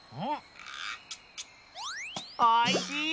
おいしい！